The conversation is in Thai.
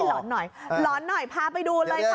หลอนหน่อยหลอนหน่อยพาไปดูเลยค่ะ